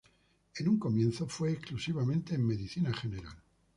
En un comienzo fue exclusivamente en Medicina General.